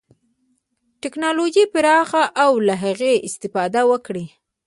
ټکنالوژي پراخه او له هغې استفاده وکړي.